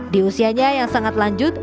di usianya yang sangat lanjut